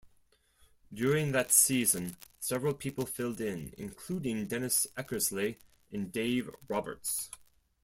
During that season, several people filled in including Dennis Eckersley and Dave Roberts.